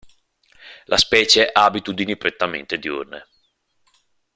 La specie ha abitudini prettamente diurne.